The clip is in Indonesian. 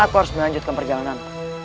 aku harus melanjutkan perjalanan